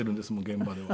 現場では。